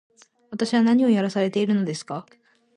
私は何をやらされているのですか